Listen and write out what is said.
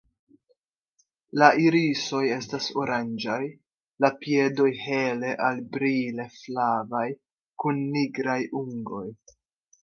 La irisoj estas oranĝaj, la piedoj hele al brile flavaj kun nigraj ungoj.